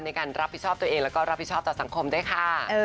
ในการรับผิดชอบตัวเองแล้วก็รับผิดชอบต่อสังคมด้วยค่ะ